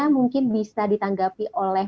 mungkin bisa ditanggapi oleh